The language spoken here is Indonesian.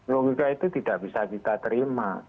logika itu tidak bisa kita terima